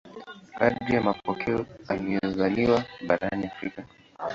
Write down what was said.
Kadiri ya mapokeo alizaliwa barani Afrika.